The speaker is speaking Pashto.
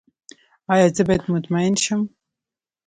ایا زه باید مطمئن شم؟